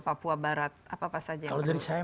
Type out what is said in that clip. papua barat apa saja yang perlu kalau dari saya